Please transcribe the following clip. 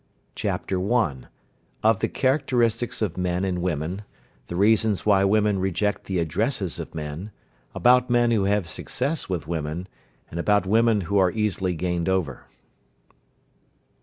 CHAPTER I. OF THE CHARACTERISTICS OF MEN AND WOMEN. THE REASONS WHY WOMEN REJECT THE ADDRESSES OF MEN. ABOUT MEN WHO HAVE SUCCESS WITH WOMEN, AND ABOUT WOMEN WHO ARE EASILY GAINED OVER.